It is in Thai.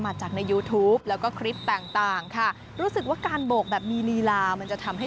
จากในยูทูปแล้วก็คลิปต่างต่างค่ะรู้สึกว่าการโบกแบบมีลีลามันจะทำให้